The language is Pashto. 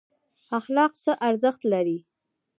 اخلاق څه ارزښت لري؟